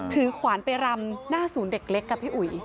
ขวานไปรำหน้าศูนย์เด็กเล็กค่ะพี่อุ๋ย